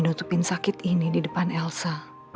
nutupin sakit ini di depan elsa